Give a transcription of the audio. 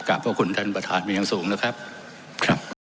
ขอบคุณท่านประธานเป็นอย่างสูงนะครับ